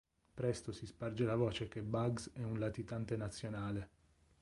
Presto si sparge la voce che Bugs è un latitante nazionale.